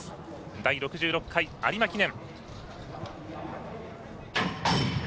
第６６回有馬記念。